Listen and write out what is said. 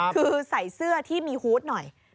คือใส่เสื้อที่มีฮูตหน่อย